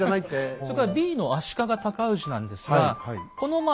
それからＢの足利尊氏なんですがこのまあ